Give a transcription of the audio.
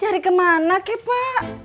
cari kemana cari kemana kepa